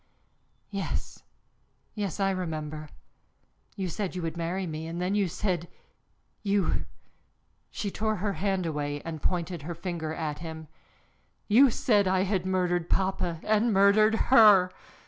"Yes, yes, I remember. You said you would marry me, and then you said, you," she tore her hand away and pointed her finger at him, "you said I had murdered papa and murdered her!